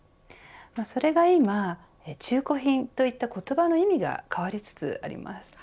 それが今、中古品といった言葉の意味が変わりつつあります。